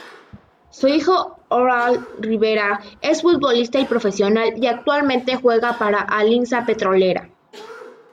Su hijo Harold Rivera es futbolista profesional y actualmente juega para Alianza Petrolera.